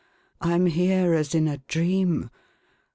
I am here, as in a dream.